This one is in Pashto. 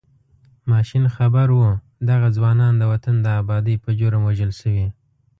ماشین خبر و دغه ځوانان د وطن د ابادۍ په جرم وژل شوي.